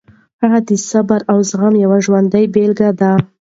هغه د صبر او زغم یوه ژوندۍ بېلګه ده.